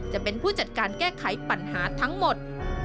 จะเป็นผู้จัดการแก้ไขปัญหาทั้งหมด